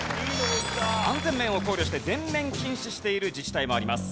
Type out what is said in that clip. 安全面を考慮して全面禁止している自治体もあります。